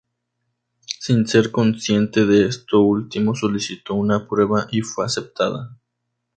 Sin ser consciente de esto último solicitó una prueba y fue aceptada.